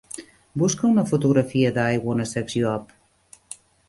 Busca una fotografia de I Wanna Sex You Up